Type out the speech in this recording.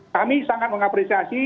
kami sangat mengapreziasi